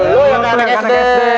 lo yang enggak sd